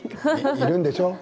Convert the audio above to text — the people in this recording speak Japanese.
いるんでしょう？